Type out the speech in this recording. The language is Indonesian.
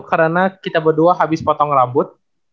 karena kita berdua habis potong rambut